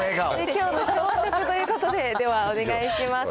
きょうの朝食ということで、では、お願いします。